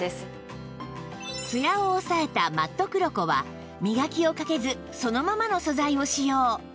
ツヤを抑えたマットクロコは磨きをかけずそのままの素材を使用